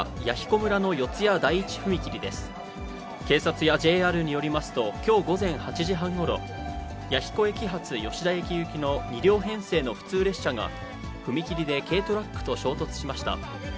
警察やＪＲによりますと、きょう午前８時半ごろ、弥彦駅発吉田駅行きの２両編成の普通列車が踏切で軽トラックと衝突しました。